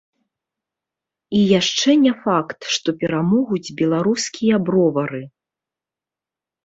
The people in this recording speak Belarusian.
І яшчэ не факт, што перамогуць беларускія бровары.